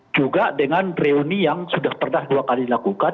juga dengan reuni yang sudah pernah dua kali dilakukan